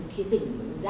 khi tỉnh ra khi là